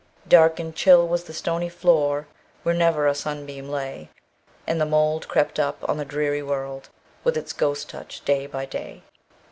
Dark and chill was the stony floor, Where never a sunbeam lay, And the mould crept up on the dreary wall, With its ghost touch, day by day.